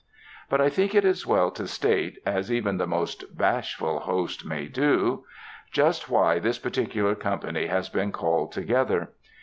But I think it is well to state, as even the most bashful host may do, just why this particular company has been called together.